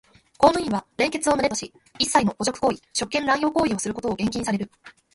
公務員は廉潔を旨とし、一切の汚辱行為、職権濫用行為をすることを厳禁される。